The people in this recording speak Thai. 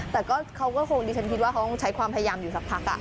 แต่เขาก็คงดิฉันคิดว่าเขาคงใช้ความพยายามอยู่สักพัก